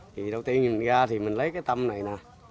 thì đầu tiên mình ra thì mình lấy cái tâm này nè